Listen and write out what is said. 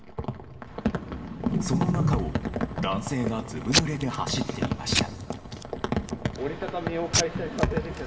その中を男性がずぶぬれで走っていました。